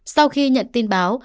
sau khi nhận tin báo